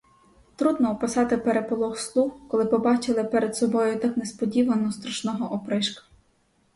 Трудно описати переполох слуг, коли побачили перед собою так несподівано страшного опришка.